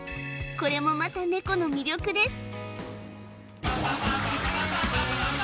これもまたネコの魅力です